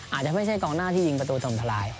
อาจจะไม่ใช่กองหน้าที่ยิงประตูจมทลาย